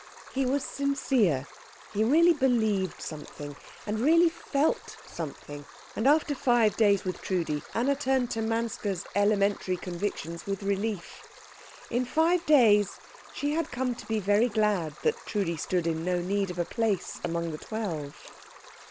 He was sincere, he really believed something, and really felt something, and after five days with Trudi Anna turned to Manske's elementary convictions with relief. In five days she had come to be very glad that Trudi stood in no need of a place among the twelve.